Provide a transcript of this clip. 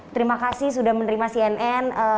terima kasih sudah menerima cnn